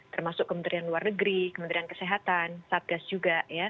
termasuk kementerian luar negeri kementerian kesehatan satgas juga